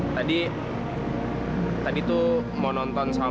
tadi tadi tuh mau nonton sama mbak dewi